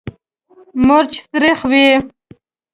مرچ تریخ وي.